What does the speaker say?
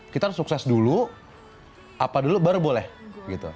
kita harus sukses dulu apa dulu baru boleh gitu